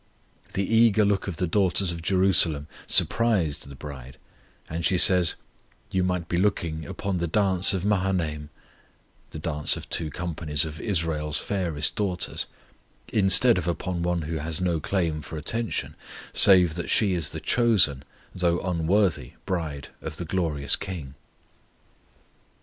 The eager look of the daughters of Jerusalem surprised the bride, and she says, You might be looking "upon the dance of Mahanaim" the dance of two companies of Israel's fairest daughters instead of upon one who has no claim for attention, save that she is the chosen, though unworthy, bride of the glorious KING.